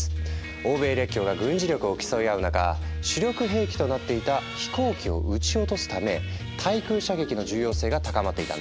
欧米列強が軍事力を競い合う中主力兵器となっていた飛行機を撃ち落とすため対空射撃の重要性が高まっていたんだ。